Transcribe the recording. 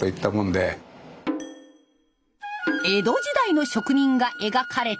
江戸時代の職人が描かれた書。